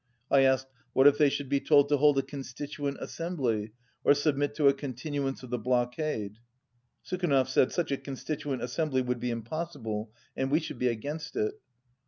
I asked. What if they should be told to hold a Constituent Assem bly or submit to a continuance of the blockaded Sukhanov said, "Such a Constituent Assembly would be impossible, and we should be against it."